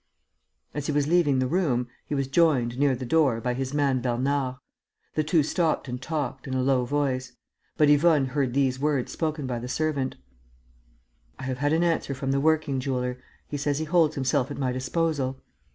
As he was leaving the room, he was joined, near the door, by his man Bernard. The two stopped and talked, in a low voice; but Yvonne heard these words spoken by the servant: "I have had an answer from the working jeweller. He says he holds himself at my disposal."